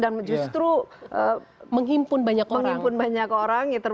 dan justru menghimpun banyak orang